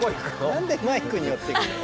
何でマイクに寄っていくの？